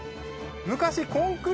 昔。